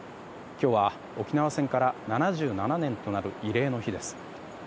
今日は沖縄戦から７７年となる慰霊の日です。